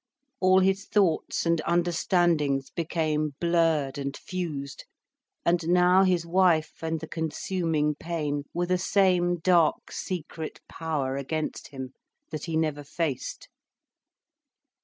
All his thoughts and understandings became blurred and fused, and now his wife and the consuming pain were the same dark secret power against him, that he never faced.